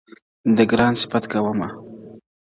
د گران صفت كومه.